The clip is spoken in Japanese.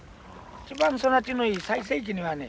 一番育ちのいい最盛期にはね